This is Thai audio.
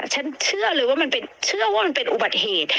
ฉันเชื่อเลยว่ามันเป็นอุบัติเหตุ